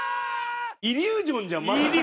イリュージョンじゃんまさに。